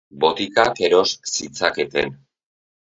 Botikak eros zitzaketen.